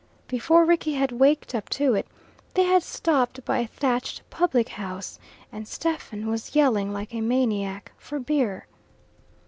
Before Rickie had waked up to it, they had stopped by a thatched public house, and Stephen was yelling like a maniac for beer.